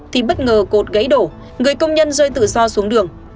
thì bất ngờ cột gãy đổ người công nhân rơi tự do xuống đường